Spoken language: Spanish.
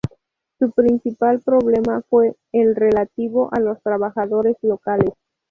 Su principal problema fue el relativo a los trabajadores locales.